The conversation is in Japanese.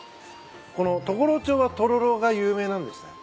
この常呂町はとろろが有名なんですね？